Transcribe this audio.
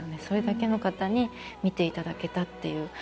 それだけの方に見ていただけたっていう。